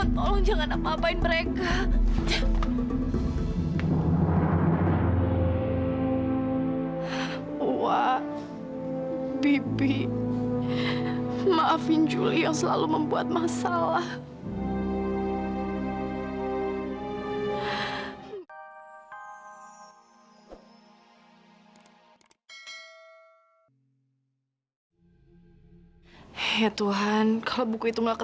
tiap jumat eksklusif di gtv